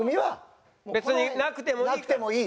別になくてもいい？